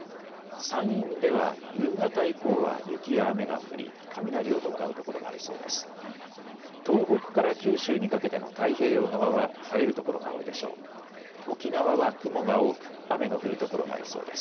山陰では夕方以降は雪や雨が降り雷を伴う所がありそうです。